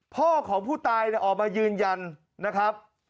พ่อของผู้ตายออกมายืนยันนะครับ